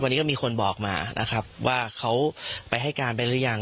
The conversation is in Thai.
วันนี้ก็มีคนบอกมานะครับว่าเขาไปให้การไปหรือยัง